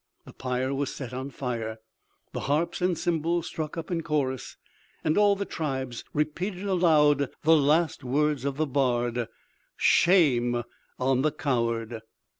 The pyre was set on fire. The harps and cymbals struck up in chorus, and all the tribes repeated aloud the last words of the bard: "Shame on the coward!"